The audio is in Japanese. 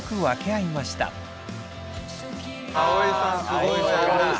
すごいわ。